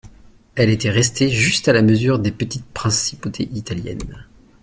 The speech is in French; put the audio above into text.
Elle était restée juste à la mesure des petites principautés italiennes.